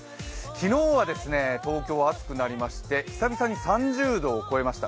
昨日は東京は暑くなりまして、久々に３０度を超えました。